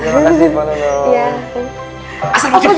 makasih pak nunung